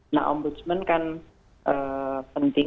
nah ombudsman kan penting